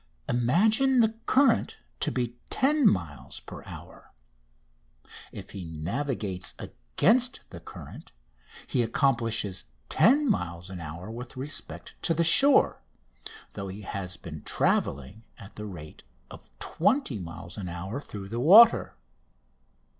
Imagine the current to be 10 miles per hour. If he navigates against the current he accomplishes 10 miles an hour with respect to the shore, though he has been travelling at the rate of 20 miles an hour through the water.